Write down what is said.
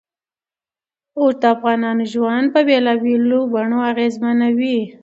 اوښ د افغانانو ژوند په بېلابېلو بڼو اغېزمنوي.